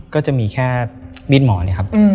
ก็จะมีแค่มีดหมอเนี่ยครับ